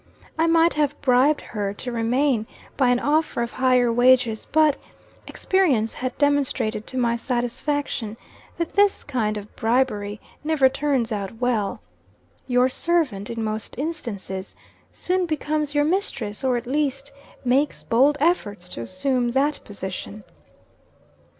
I might have bribed her to remain, by an offer of higher wages; but, experience had demonstrated to my satisfaction, that this kind of bribery never turns out well. Your servant, in most instances, soon becomes your mistress or, at least, makes bold efforts to assume that position.